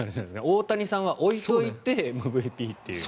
大谷さんは置いておいてＭＶＰという。